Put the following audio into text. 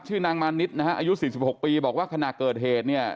ชื่อนางมานิทนะฮะอายุสิบสิบหกปีบอกว่าขณะเกิดเหตุเนี่ย